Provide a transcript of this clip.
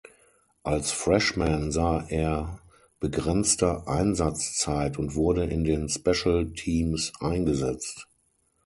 Als Freshman sah er begrenzte Einsatzzeit und wurde in den Special Teams eingesetzt.